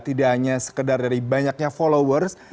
tidak hanya sekedar dari banyaknya followers